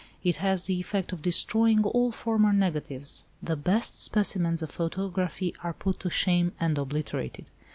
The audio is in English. It has the effect of destroying all former negatives—the best specimens of photography are put to shame, and obliterated.